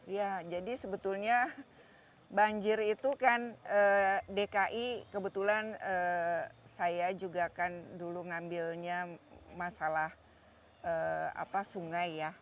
ya jadi sebetulnya banjir itu kan dki kebetulan saya juga kan dulu ngambilnya masalah sungai ya